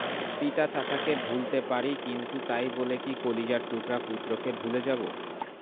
পিতা-চাচাকে ভুলতে পারি কিন্তু তাই বলে কি কলিজার টুকরা পুত্রকে ভুলে যাব?